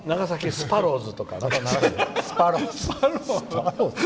スパローズ。